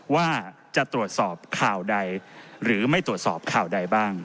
ว่าจะตรวจสอบข่าวใดหรือไม่ตรวจสอบข่าวใดบ้าง